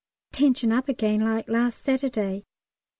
Tension up again like last Saturday.